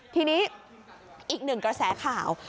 ทีนี้อีกหนึ่งกระแสข่าว